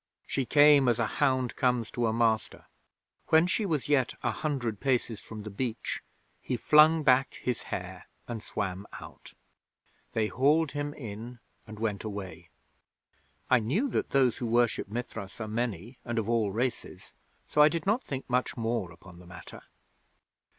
She came as a hound comes to a master. When she was yet a hundred paces from the beach, he flung back his hair, and swam out. They hauled him in, and went away. I knew that those who worship Mithras are many and of all races, so I did not think much more upon the matter.